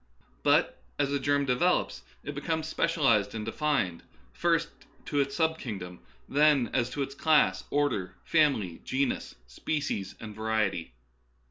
But as a germ de velops it becomes specialized and defined, first as to its sub kingdom, then as to its class, order, family, genus, species, and variety.